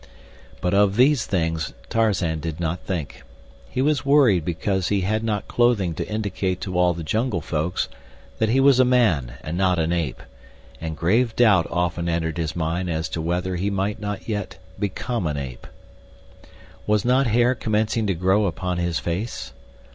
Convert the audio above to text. But of these things Tarzan did not think. He was worried because he had not clothing to indicate to all the jungle folks that he was a man and not an ape, and grave doubt often entered his mind as to whether he might not yet become an ape. Was not hair commencing to grow upon his face?